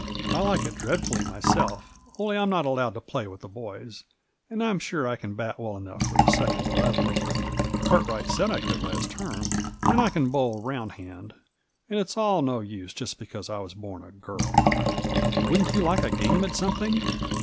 I like it dreadfully myself, only I'm not allowed to play with the boys, and I'm sure I can bat well enough for the second eleven — Cartwright said I could last term — and I can bowl round hand, and it's all no use, just because I was bom a girl ! Wouldn't you like a game at something